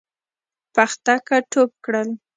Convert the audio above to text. پختکه ټوپ کړل.